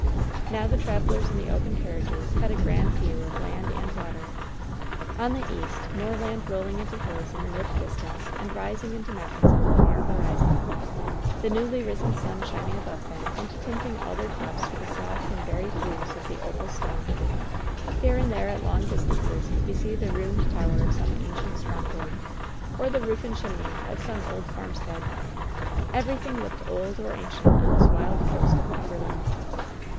Now the travelers in the open carriages had a grand view of land and water. On the east, moorland rolling into hills in the mid dis tance and rising into mountains on the far horizon. The newly risen sun shining above them and tinting all their tops with the soft and varied hues of the opal stone. Here and there at long distances could be seen the ruined tower of some ancient stronghold, or the roof and chim neys of some old farmstead. Everything looked old or ancient on this wild coast of Cumberland.